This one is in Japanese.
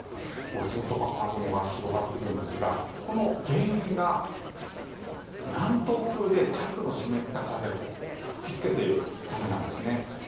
ずっと雨雲が広がっているんですがこの原因が南東風を台風の湿った風が吹きつけているためなんですね。